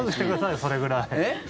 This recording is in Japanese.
それくらい。